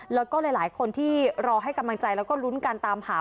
แล้วก็หลายคนที่รอให้กำลังใจแล้วก็ลุ้นการตามหา